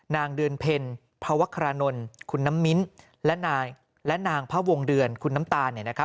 นางเดือนเพ็ญพวัครานนท์คุณน้ำมิ้นและนางพระวงเดือนคุณน้ำตาล